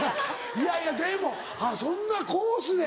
いやいやでもそんなコースで。